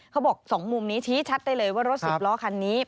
เขาบอก๒มุมนี้ชี้ชัดได้เลยว่ารถสิบล้อคันนี้